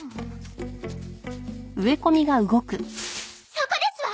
そこですわ！